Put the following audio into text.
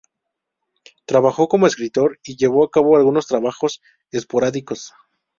Trabajó como escritor y llevó a cabo algunos trabajos esporádicos.